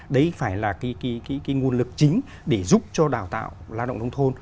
đấy phải là cái nguồn lực chính để giúp cho đào tạo lao động nông thôn